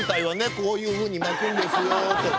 こういうふうに巻くんですよとか。